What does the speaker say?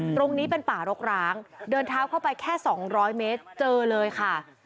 ตรงนี้เป็นป่ารกร้างเดินเท้าเข้าไปแค่๒๐๐เมตรเจอเลยค่ะ